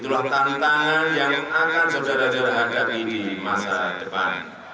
itulah tantangan yang akan saudara saudara hadapi di masa depan